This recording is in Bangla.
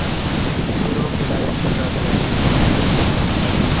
খুড়ো কেদারেশ্বর রাজবাড়িতে স্থান পাইল।